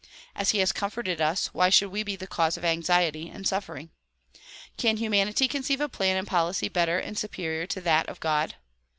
As he has comforted us why should we be the cause of anxiety and suffering? Can humanity conceive a plan and policy better and superior to that of God?